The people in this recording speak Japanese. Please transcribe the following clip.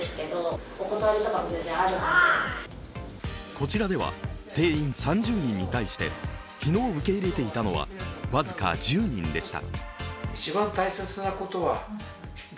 こちらでは定員３０人に対して昨日受け入れていたのは僅か１０人でした。